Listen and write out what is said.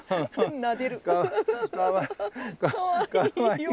なでる。かかわいい。